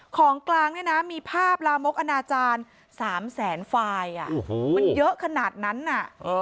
ของกลางเนี่ยนะมีภาพลามกอนาจารย์๓แสนไฟล์มันเยอะขนาดนั้นน่ะ